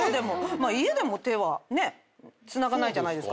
まあ家でも手はつながないじゃないですか。